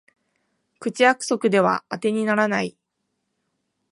口約束ではあてにならない